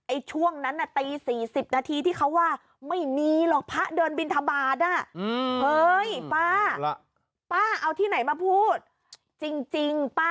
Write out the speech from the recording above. ไอ้ช่วงนั้นตี๔๐นาทีที่เขาว่าไม่มีหรอกพระเดินบิณฑบาตน่ะ